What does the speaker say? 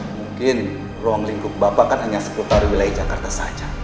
mungkin ruang lingkup bapak kan hanya seputar wilayah jakarta saja